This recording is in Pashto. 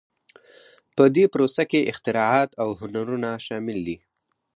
په دې پروسه کې اختراعات او هنرونه شامل دي.